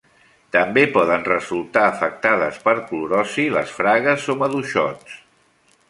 També poden resultar afectades per clorosi les fragues o maduixots.